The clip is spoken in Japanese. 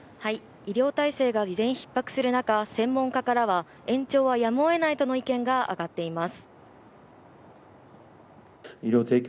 医療体制が依然逼迫する中、専門家からは延長はやむを得ないとの意見が上がっています。